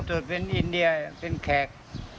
บนสุดเป็นอินเดียเป็นแขก